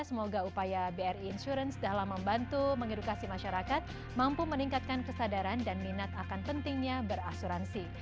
semoga upaya bri insurance dalam membantu mengedukasi masyarakat mampu meningkatkan kesadaran dan minat akan pentingnya berasuransi